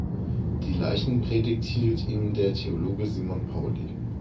Die Leichenpredigt hielt ihm der Theologe Simon Pauli.